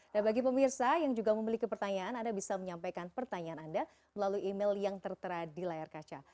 nah bagi pemirsa yang juga memiliki pertanyaan anda bisa menyampaikan pertanyaan anda melalui email yang tertera di layar kaca